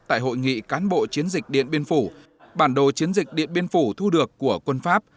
tại hội nghị cán bộ chiến dịch điện biên phủ bản đồ chiến dịch điện biên phủ thu được của quân pháp